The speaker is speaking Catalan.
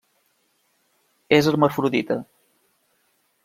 És hermafrodita.